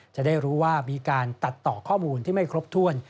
จะได้รู้ว่ามีการตัดต่อข้อมูลที่ไม่ครบถ้วน